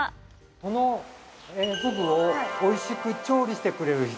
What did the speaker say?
このフグをおいしく調理してくれる人。